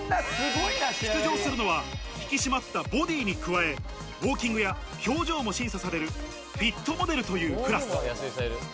出場するのは、引き締まったボディに加え、ウオーキングや表情も審査されるフィットモデルというクラス。